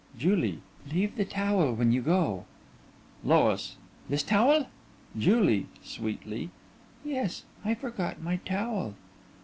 JULIE: Leave the towel when you go. LOIS: This towel? JULIE: (Sweetly) Yes, I forgot my towel.